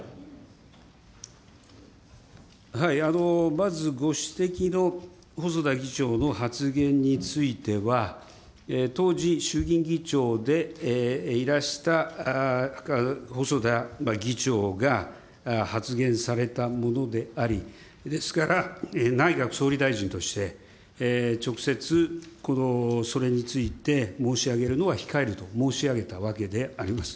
まず、ご指摘の細田議長の発言については、当時、衆議院議長でいらした細田議長が発言されたものであり、ですから、内閣総理大臣として、直接、それについて申し上げるのは控えると申し上げたわけであります。